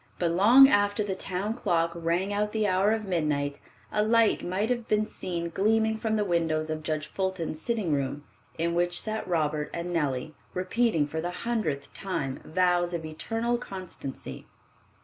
But long after the town clock rang out the hour of midnight, a light might have been seen gleaming from the windows of Judge Fulton's sitting room, in which sat Robert and Nellie, repeating for the hundredth time vows of eternal constancy.